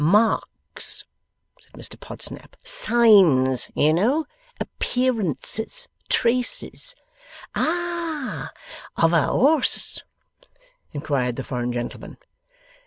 'Marks,' said Mr Podsnap; 'Signs, you know, Appearances Traces.' 'Ah! Of a Orse?' inquired the foreign gentleman.